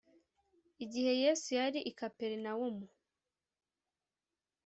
igihe yesu yari ari i kaperinawumu